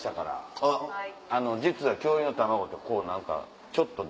実は恐竜の卵って何かちょっと。